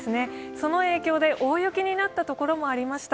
その影響で大雪になったところもありました。